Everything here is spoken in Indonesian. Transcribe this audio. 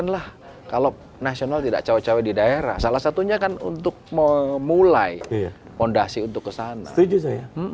lima puluh lah kalau nasional tidak cowok cowok di daerah salah satunya kan untuk memulai fondasi untuk ke sana setuju saya